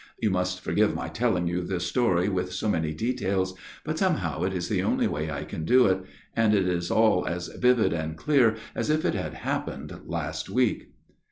(You must forgive my telling you this story with so many details, but somehow it is the only way I can do it ; it is all as vivid and clear as if it had happened last week.